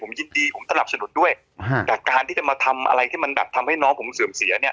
ผมยินดีผมสนับสนุนด้วยแต่การที่จะมาทำอะไรที่มันแบบทำให้น้องผมเสื่อมเสียเนี่ย